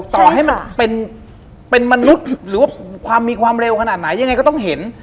ต่อให้มันเป็นมนุษย์หรือว่าความมีความเร็วขนาดไหนยังไงก็ต้องเห็น